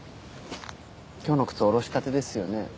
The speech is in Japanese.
今日の靴下ろしたてですよね？